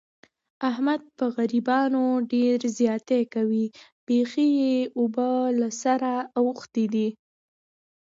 احمد په غریبانو ډېر زیاتی کوي. بیخي یې اوبه له سره اوښتې دي.